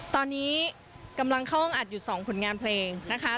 ตอนนี้กำลังเข้าห้องอัดอยู่๒ผลงานเพลงนะคะ